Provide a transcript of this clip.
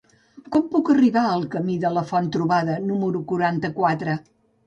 Com puc arribar al camí de la Font-trobada número quaranta-quatre?